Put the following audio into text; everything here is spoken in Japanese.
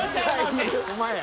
［お前や］